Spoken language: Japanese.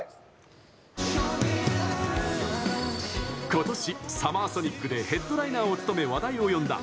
今年、サマーソニックでヘッドライナーを務め話題を呼んだ